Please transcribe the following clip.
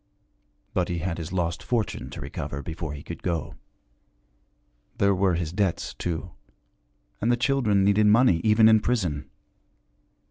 But he had his lost fortune to recover before he could go. There were his debts, too; and the children needed money, even in prison.